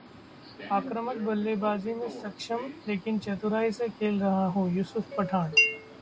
आक्रामक बल्लेबाजी में सक्षम लेकिन चतुराई से खेल रहा हूं: यूसुफ पठान